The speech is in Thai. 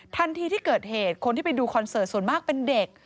ทันทีที่เกิดเหตุคนที่ไปดูคอนเสิร์ตส่วนมากเป็นเด็ก